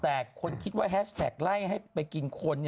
แต่คนคิดว่าแฮชแท็กไล่ให้ไปกินคน